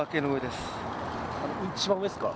あの一番上ですか？